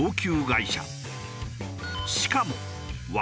しかも「わ」